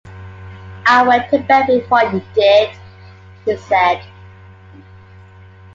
“I went to bed before you did,” he said.